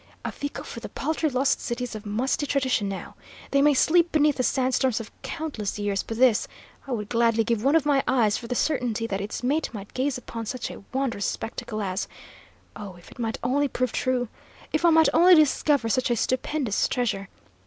"A fico for the paltry lost cities of musty tradition, now! They may sleep beneath the sand storms of countless years, but this I would gladly give one of my eyes for the certainty that its mate might gaze upon such a wondrous spectacle as Oh, if it might only prove true! If I might only discover such a stupendous treasure!